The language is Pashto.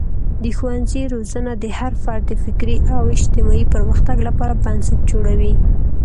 د ښوونځي روزنه د هر فرد د فکري او اجتماعي پرمختګ لپاره بنسټ جوړوي.